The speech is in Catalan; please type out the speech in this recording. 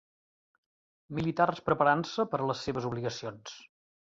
Militars preparant-se per a les seves obligacions.